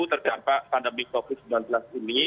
terdampak pandemi covid sembilan belas ini